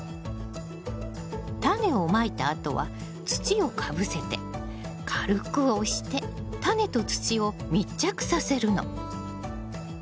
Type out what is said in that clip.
タネをまいたあとは土をかぶせて軽く押してタネと土を密着させるの。